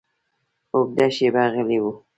اوږده شېبه غلی و.